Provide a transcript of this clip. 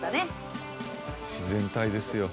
自然体ですよ。